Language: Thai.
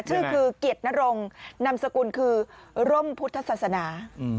ชื่อคือเกียรตินรงนามสกุลคือร่มพุทธศาสนา